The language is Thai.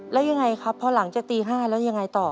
แล้วยังไงครับพอหลังจากตี๕แล้วยังไงต่อ